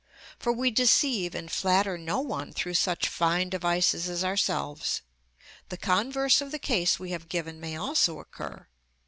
For we deceive and flatter no one through such fine devices as ourselves. The converse of the case we have given may also occur.